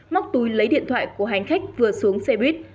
móc túi lấy điện thoại của hành khách vừa xuống xe buýt